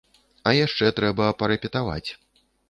А яшчэ трэба парэпетаваць!